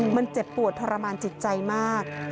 มันเจ็บปวดทรมานจิตใจมาก